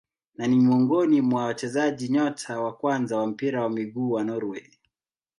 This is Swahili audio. Na ni miongoni mwa wachezaji nyota wa kwanza wa mpira wa miguu wa Norway.